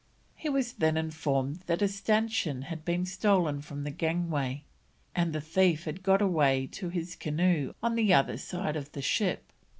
He was then informed that a stanchion had been stolen from the gangway, and the thief had got away to his canoe on the other side of the ship.